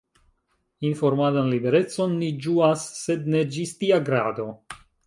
Informadan liberecon ni ĝuas, sed ne ĝis tia grado.